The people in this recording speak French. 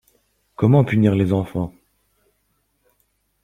Comment punir les enfants?